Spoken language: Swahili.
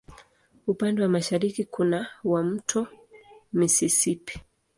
Upande wa mashariki kuna wa Mto Mississippi.